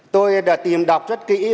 tôi đã tìm đọc rất kỹ